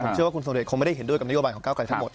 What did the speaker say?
เชื่อว่าคุณสมเดชนคงไม่ได้เห็นด้วยกับนโยบายของก้าวไกลทั้งหมด